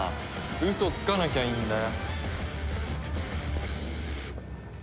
ウソつかなきゃいいんだよ。